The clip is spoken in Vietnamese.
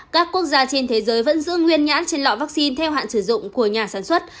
các quốc gia trên thế giới vẫn giữ nguyên nhãn trên lọ vaccine theo hạn sử dụng của nhà sản xuất